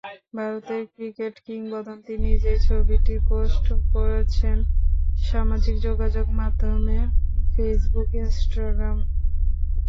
ভারতের ক্রিকেট কিংবদন্তি নিজেই ছবিটি পোস্ট করেছেন সামাজিক যোগাযোগমাধ্যমে —ফেসবুক, ইনস্টাগ্রাম।